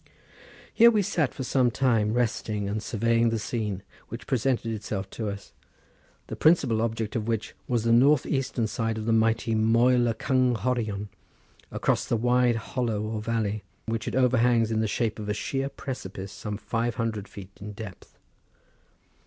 Here we sat for some time resting and surveying the scene which presented itself to us, the principal object of which was the north eastern side of the mighty Moel y Cynghorion, across the wide hollow or valley, which it overhangs in the shape of a sheer precipice some five hundred feet in depth.